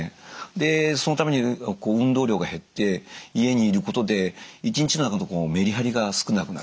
でそのために運動量が減って家にいることで一日の中のメリハリが少なくなる。